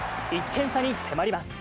１点差に迫ります。